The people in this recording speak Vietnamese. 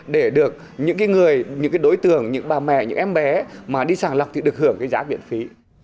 để được những người những cái đối tượng những bà mẹ những em bé mà đi sàng lọc thì được hưởng cái giá viện phí